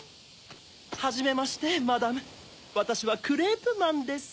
はじめましてマダムわたしはクレープマンです。